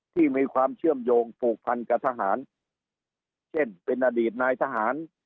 ที่มีความเชื่อมโยงผูกพันกับทหารเช่นเป็นอดีตนายทหาร